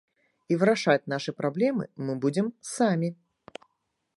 І вырашаць нашы праблемы мы будзем самі.